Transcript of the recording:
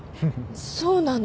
そうなの？